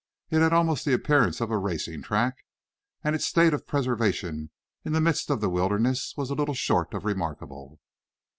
It had almost the appearance of a racing track, and its state of preservation in the midst of the wilderness was little short of remarkable.